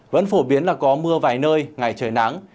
vẫn phổ biến là có mưa vài nơi ngày trời nắng